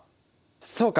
そうか！